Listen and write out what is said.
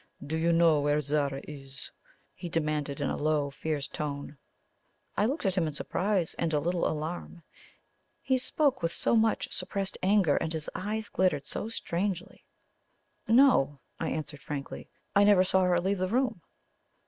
"Do you know where Zara is?" he demanded in a low, fierce tone. I looked at him in surprise and a little alarm he spoke with so much suppressed anger, and his eyes glittered so strangely. "No," I answered frankly. "I never saw her leave the room."